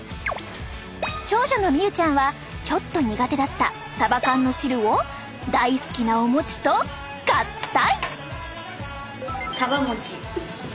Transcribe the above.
長女のみゆちゃんはちょっと苦手だったサバ缶の汁を大好きなお餅と合体！